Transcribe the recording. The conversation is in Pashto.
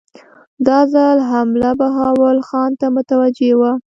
دا ځل حمله بهاول خان ته متوجه وه.